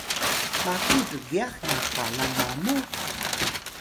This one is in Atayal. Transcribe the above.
maki rgyax na qalang mamu?